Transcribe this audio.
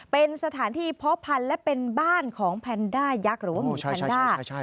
เป็นสถานที่เพาะพันธุ์และเป็นบ้านของแพนด้ายักษ์หรือว่าหมีแพนด้า